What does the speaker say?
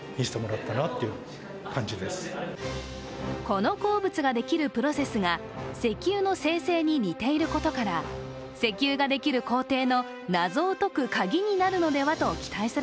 この鉱物ができるプロセスが石油の生成に似ていることから、石油ができる工程の謎を解く鍵になるのではと期待さ